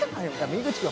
井口君